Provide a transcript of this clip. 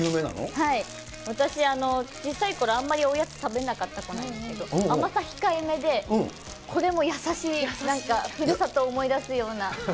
はい、私、ちっさいころ、あまりおやつ食べない子だったんですけど、甘さ控えめで、これも優しい、ふるさとを思い出すような。